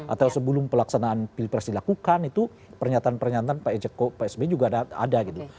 atau sebelum pelaksanaan pilpres dilakukan itu pernyataan pernyataan pak sby juga ada gitu